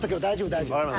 大丈夫大丈夫。